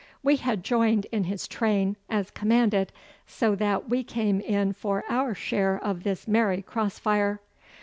We had joined in his train, as commanded, so that we came in for our share of this merry crossfire.